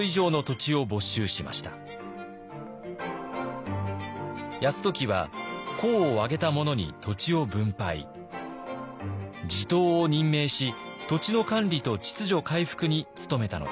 地頭を任命し土地の管理と秩序回復に努めたのです。